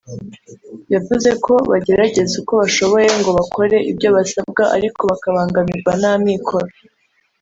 yavuze ko bagerageza uko bashoboye ngo bakore ibyo basabwa ariko bakabangamirwa n’amikoro